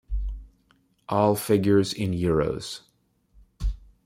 All figures in Euros.